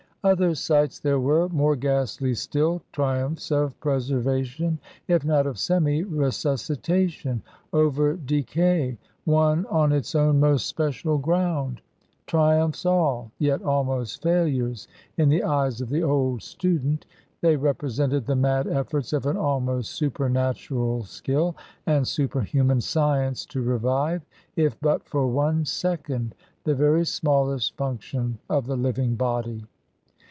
Other sights there were, more ghastly still, triumphs of preservation, if not of semi resuscitation, over decay, won on its own most special ground. Triumphs all, yet almost failures in the eyes of the old student, they represented the mad efforts of an almost supernatural skill and superhuman science to revive, if but for one second, the very smallest function of the living body.